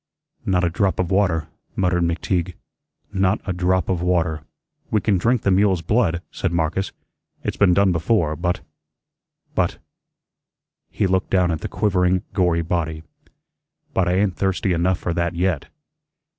"Not a drop of water," muttered McTeague; "not a drop of water." "We can drink the mule's blood," said Marcus. "It's been done before. But but " he looked down at the quivering, gory body "but I ain't thirsty enough for that yet."